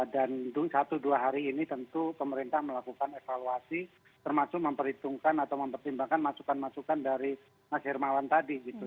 dan tunggu satu dua hari ini tentu pemerintah melakukan evaluasi termasuk memperhitungkan atau mempertimbangkan masukan masukan dari mas hermawan tadi gitu